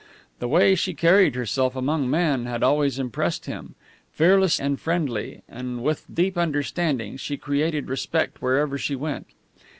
The way she carried herself among men had always impressed him. Fearless and friendly, and with deep understanding, she created respect wherever she went.